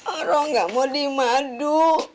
orang nggak mau di madu